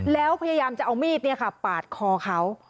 แล้วพยายามจะเอามีดปาดคอเขา